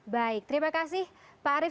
baik terima kasih pak arief